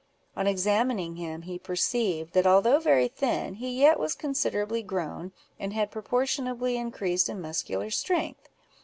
On examining him, he perceived, that although very thin, he yet was considerably grown; and had proportionably increased in muscular strength.